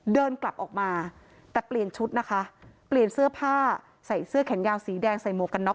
เดินกลับออกมาแต่เปลี่ยนชุดนะคะเปลี่ยนเสื้อผ้าใส่เสื้อแขนยาวสีแดงใส่หมวกกันน็